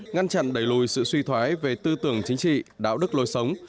ngăn chặn đẩy lùi sự suy thoái về tư tưởng chính trị đạo đức lối sống